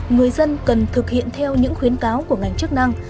người dân cần thực hiện theo những khuyến cáo của ngành chức năng